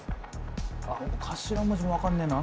頭文字も分かんねえなあ。